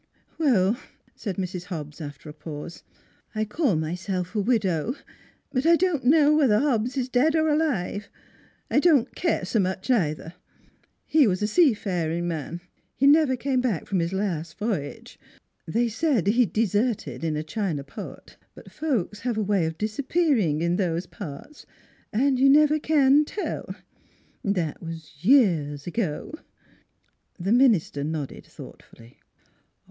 " Well," said Mrs. Hobbs, after a pause, " I call myself a widow. But I don't know whether Hobbs is dead or alive. I don't care so much, either. He was a seafaring man. He never came back from his last voyage. They said he deserted in a China port. But folks have a way of disappearing in those parts, and you never can tell. ... That was years ago." The minister nodded thoughtfully.